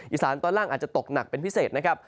อีสานตอนล่างอาจจะตกหนักเป็นพิเศษนะครับ